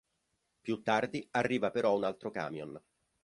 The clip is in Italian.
Più tardi arriva però un altro camion.